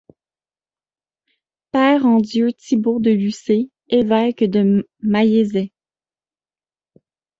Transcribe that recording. Père en Dieu Thibault de Lucé, évêque de Maillezais.